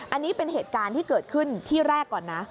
อันนี้เป็นเหตุการณ์ที่เกิดขึ้นที่แรกก่อนนะ